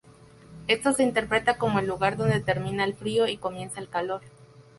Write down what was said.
Esto se interpreta como el lugar donde termina el frío y comienza el calor.